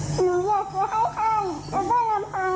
ก็อยากจะบอกฮะถ้าสมุดสุดตาย